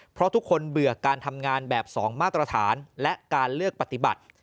เพราะทุกคนเบื่อการทำงานแบบ๒มาตรฐานและการเลือกปฏิบัติ